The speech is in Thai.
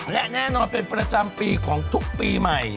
และแน่นอนเป็นประจำปีของทุกปีใหม่